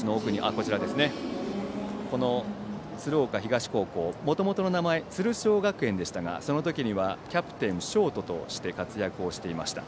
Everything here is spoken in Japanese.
この鶴岡東はもともとの名前は鶴商学園でしたがその時には、キャプテンショートとして活躍していました。